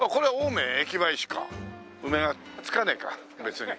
「梅」が付かねえか別に。